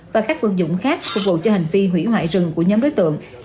và các vật dụng khác phục vụ cho hành vi hủy hoại rừng của nhóm đối tượng